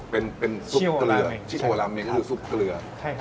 เป็นซุปเกลือชิโกะราเม็งคือซุปเกลือ